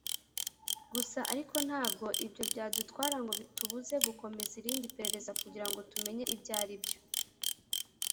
Gusa ariko ntabwo ibyo byadutwara ngo bitubuze gukomeza irindi perereza kugira ngo tumenye ibyo ari byo ”